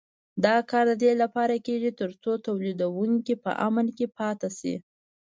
دا کار د دې لپاره کېږي تر څو تولیدوونکي په امن کې پاتې شي.